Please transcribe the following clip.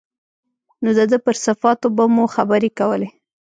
نو د ده پر صفاتو به مو خبرې کولې.